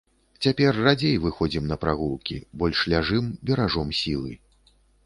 Цяпер радзей выходзім на прагулкі, больш ляжым, беражом сілы.